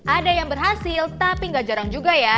ada yang berhasil tapi gak jarang juga ya